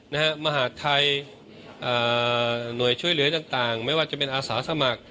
มหาดไทยอ่าหน่วยช่วยเหลือต่างต่างไม่ว่าจะเป็นอาสาสมัคร